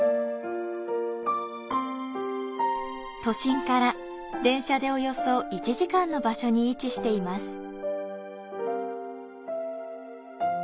都心から電車で約１時間の場所に位置しています。